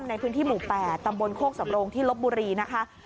ในพื้นที่หมู่๘ตำบลโคกสำโรงที่ลบบุรีนะคะ